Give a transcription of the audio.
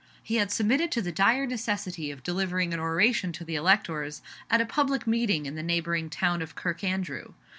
He had submitted to the dire necessity of delivering an oration to the electors, at a public meeting in the neighboring town of Kirkandrew.